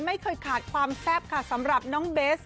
ไม่เคยขาดความแซ่บค่ะสำหรับน้องเบส